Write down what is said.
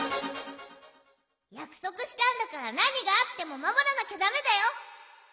やくそくしたんだからなにがあってもまもらなきゃだめだよ！